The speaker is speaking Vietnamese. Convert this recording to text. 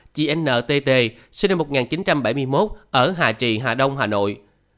một mươi ba chị n t t sinh năm một nghìn chín trăm bảy mươi một ở hà trì hà đông hà nội